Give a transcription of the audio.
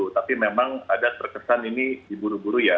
tapi memang ada terkesan ini di buru buru ya